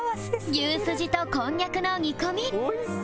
牛すじとこんにゃくの煮込み